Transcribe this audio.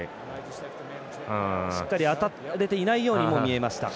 しっかり当たれていないようにも見えました。